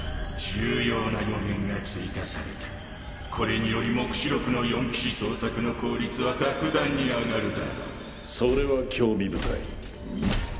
・重要な予言が追加されたこれにより黙示録の四騎士捜索の効率は格段に上がるだろうそれは興味深いうん？